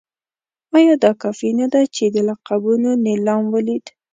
ایا دا کافي نه ده چې د لقبونو نېلام ولید.